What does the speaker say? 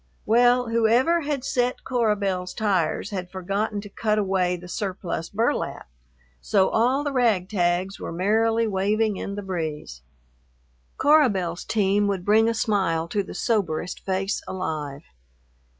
Well, whoever had set Cora Belle's tires had forgotten to cut away the surplus burlap, so all the ragtags were merrily waving in the breeze. Cora Belle's team would bring a smile to the soberest face alive.